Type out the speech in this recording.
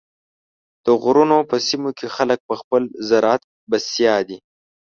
د غرونو په سیمو کې خلک په خپل زراعت بسیا دي.